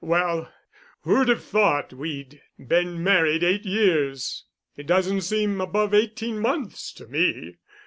"Well, who'd have thought we'd been married eight years! it doesn't seem above eighteen months to me.